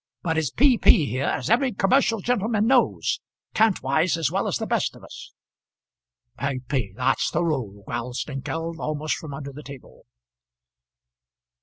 But its P.P. here, as every commercial gentleman knows, Kantwise as well as the best of us." "P.P., that's the rule," growled Snengkeld, almost from under the table.